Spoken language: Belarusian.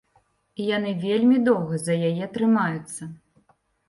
І яны вельмі доўга за яе трымаюцца.